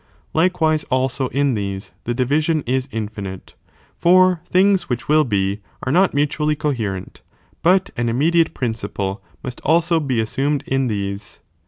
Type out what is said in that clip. Likewise also in these the division is infinite, fer things which will he, are not mutually coherent, but an im mediate principle must also be assumed in these.